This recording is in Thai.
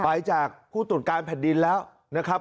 ไปจากผู้ตรวจการแผ่นดินแล้วนะครับ